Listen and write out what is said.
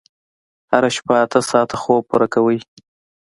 هره شپه اته ساعته خوب پوره کوئ.